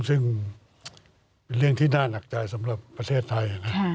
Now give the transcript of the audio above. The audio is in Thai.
ซึ่งเป็นเรื่องที่น่าหนักใจสำหรับประเทศไทย